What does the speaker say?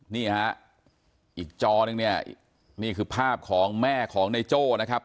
นี่ฮะอีกจอนึงเนี่ยนี่คือภาพของแม่ของในโจ้นะครับ